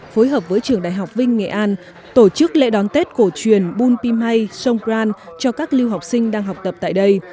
phối hợp với trường đại học vinh nghệ an tổ chức lễ đón tết cổ truyền bun pimay sông kran cho các lưu học sinh đang học tập tại đây